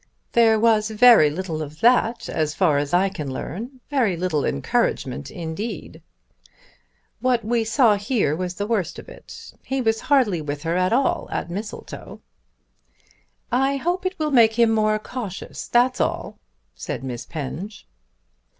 "There was very little of that, as far as I can learn; very little encouragement indeed! What we saw here was the worst of it. He was hardly with her at all at Mistletoe." "I hope it will make him more cautious; that's all," said Miss Penge.